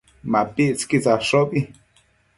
MapictsËquid tsadshobi